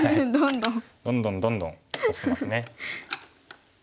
どんどんどんどんオシますね。